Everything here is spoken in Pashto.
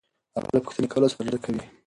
هغه له پوښتنې کولو څخه ډډه کوي.